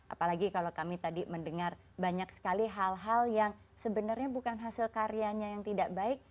apalagi kalau kami tadi mendengar banyak sekali hal hal yang sebenarnya bukan hasil karyanya yang tidak baik